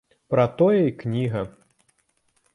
Пра тое і кніга.